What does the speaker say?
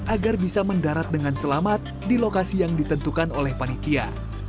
agar bisa mendarat dengan selamat di lokasi yang ditentukan oleh panitia